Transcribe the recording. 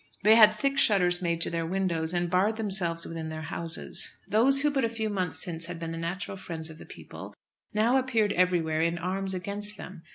They had thick shutters made to their windows, and barred themselves within their houses. Those who but a few months since had been the natural friends of the people, now appeared everywhere in arms against them.